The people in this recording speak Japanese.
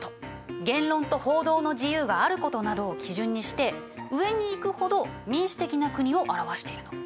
「言論と報道の自由があること」などを基準にして上に行くほど民主的な国を表しているの。